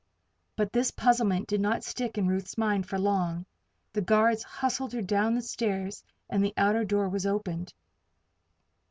But this puzzlement did not stick in Ruth's mind for long; the guards hustled her down the stairs and the outer door was opened.